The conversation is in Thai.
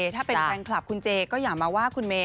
ถ้าเป็นแฟนคลับคุณเจก็อย่ามาว่าคุณเมย